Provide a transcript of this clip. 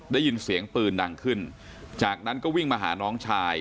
ได้ยินเสียงปืนดังขึ้นจากนั้นก็วิ่งมาหาน้องชาย